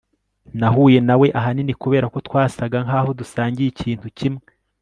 Nahuye na we ahanini kubera ko twasaga nkaho dusangiye ibintu kimwe